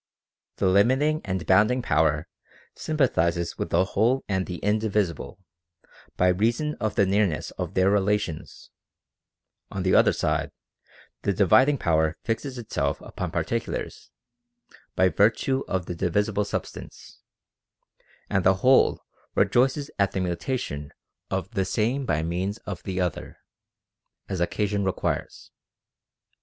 The limiting and bounding power sympathizes with the whole and the indivisible, by reason of the near ness of their relations ; on the other side, the dividing power fixes itself upon particulars, by virtue of the divis ible substance ; and the whole rejoices at the mutation of the Same by means of the Other, as occasion requires.